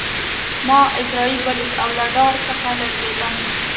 ما عزرائیل ولید او له ډار څخه لړزېدم